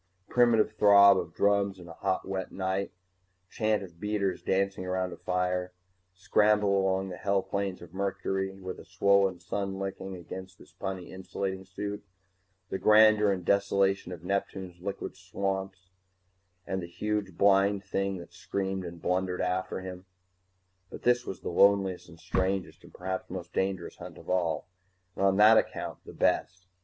Primitive throb of drums in a hot wet night, chant of beaters dancing around a fire scramble along the hell plains of Mercury with a swollen sun licking against his puny insulating suit the grandeur and desolation of Neptune's liquid gas swamps and the huge blind thing that screamed and blundered after him But this was the loneliest and strangest and perhaps most dangerous hunt of all, and on that account the best.